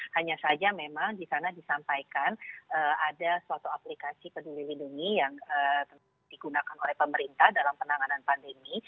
hanya saja memang di sana disampaikan ada suatu aplikasi peduli lindungi yang digunakan oleh pemerintah dalam penanganan pandemi